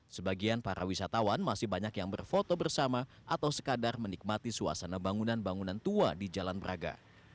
sebagian para wisatawan masih banyak yang berfoto bersama atau sekadar menikmati suasana bangunan bangunan tua di jalan braga